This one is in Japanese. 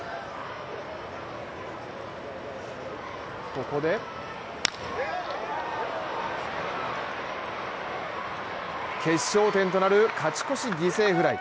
ここで決勝点となる勝ち越し犠牲フライ。